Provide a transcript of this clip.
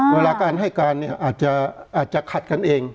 เวลาการให้การเนี่ยอาจจะขัดกันเอง